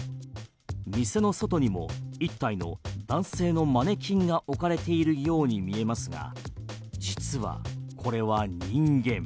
店の外にも１体の男性のマネキンが置かれているように見えますが、実はこれは人間。